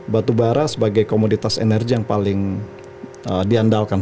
batubara sebagai komoditas energi yang paling diandalkan